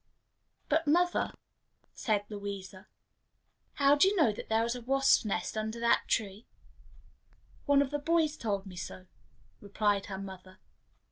"But, mother," asked Louisa, "how did you know that there was a wasp's nest under that tree?" "One of the boys told me so," replied her mother.